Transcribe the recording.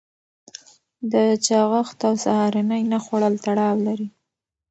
د چاغښت او سهارنۍ نه خوړل تړاو لري.